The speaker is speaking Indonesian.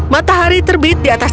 matahari terbit di atas